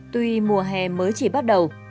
tuy mùa hè mới chỉ bắt đầu